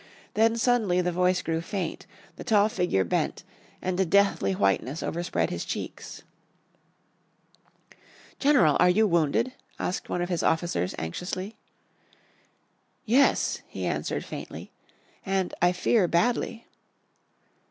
Then suddenly the voice grew faint, the tall figure bent, and a deathly whiteness overspread his cheeks. "General, are you wounded?" asked one of his officers, anxiously. "Yes," he answered, faintly, "and I fear badly."